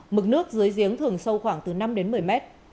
mực nước dưới giếng thường sâu khoảng từ năm đến một mươi mét